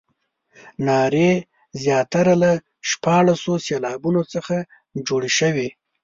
نارې زیاتره له شپاړسو سېلابونو څخه جوړې شوې.